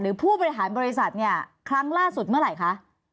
หรือผู้บริหารบริษัทครั้งล่าสุดเมื่อไหร่คะ